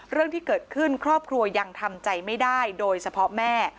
เรื่องที่เกิดขึ้นครอบครัวยังทำใจไม่ได้โดยเฉพาะแม่